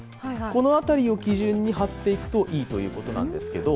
この辺りを基準に貼っていくといいということなんですけど。